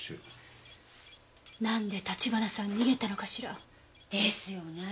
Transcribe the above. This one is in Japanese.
なんで橘さん逃げたのかしら。ですよね。